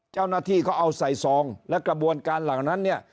เจ้าหน้าที่เขาเอาใส่ซองและกระบวนการเหล่านั้นเนี่ย